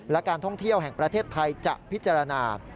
และการท่องเที่ยวแห่งประเทศไทยจะพิจารณา